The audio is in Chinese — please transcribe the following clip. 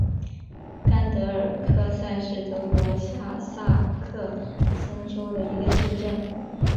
甘德尔克塞是德国下萨克森州的一个市镇。